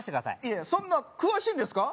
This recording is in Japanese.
いやそんな詳しいんですか？